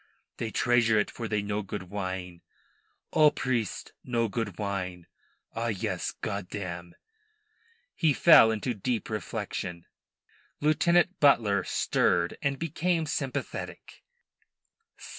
They treasure it for they know good wine. All priests know good wine. Ah yes! Goddam!" He fell into deep reflection. Lieutenant Butler stirred, and became sympathetic.